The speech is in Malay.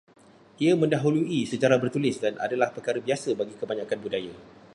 Ia mendahului sejarah bertulis dan adalah perkara biasa bagi kebanyakan budaya